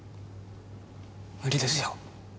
無理ですよ。